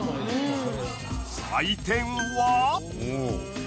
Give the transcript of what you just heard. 採点は。